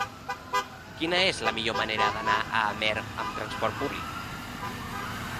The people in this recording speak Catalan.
Quina és la millor manera d'anar a Amer amb trasport públic?